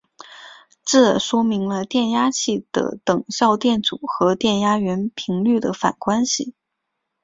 这说明了电压器的等效电阻和电压源频率的反关系。